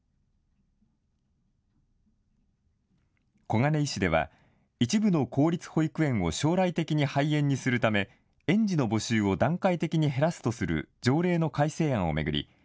小金井市では一部の公立保育園を将来的に廃園にするため園児の募集を段階的に減らすとする条例の改正案を巡り